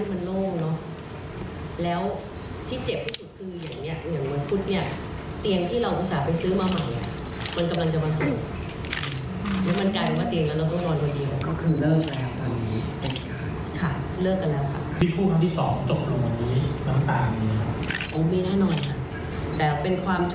พี่หนูมีอาการยังไงไปฟังกันค่ะ